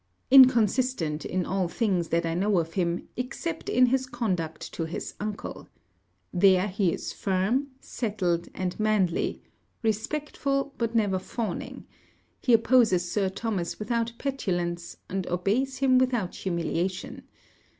Inconsistent in all things that I know of him, except in his conduct to his uncle. There he is firm, settled and manly, respectful, but never fawning; he opposes Sir Thomas without petulance, and obeys him without humiliation.